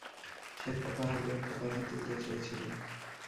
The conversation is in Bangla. সে একটা পাহাড় বেয়ে একটা পাথর তুলতে চেয়েছিল।